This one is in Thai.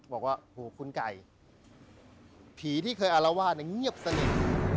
บอกว่าโหคุณไก่ผีที่เคยอารวาสเนี่ยเงียบสนิท